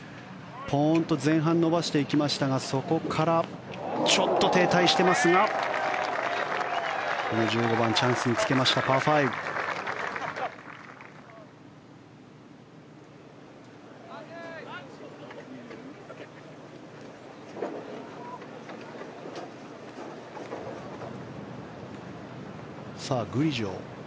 ポーンと前半、伸ばしていきましたがそこからちょっと停滞していますがこの１５番チャンスにつけました、パー５。グリジョ。